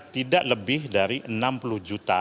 tidak lebih dari enam puluh juta